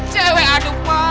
cewek aduh pak